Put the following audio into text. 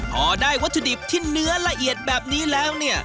พอได้วัตถุดิบที่เนื้อละเอียดแบบนี้แล้วเนี่ย